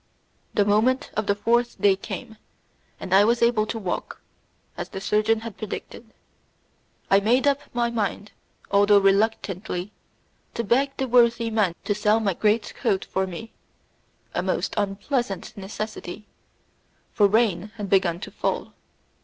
The morning of the fourth day came, and I was able to walk, as the surgeon had predicted; I made up my mind, although reluctantly, to beg the worthy man to sell my great coat for me a most unpleasant necessity, for rain had begun to fall.